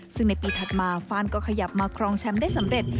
ซึ่งในปีถัดมาฟานก็ขยับมาครองแชมป์ได้สำเร็จ